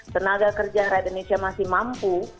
tenaga kerja rakyat indonesia masih mampu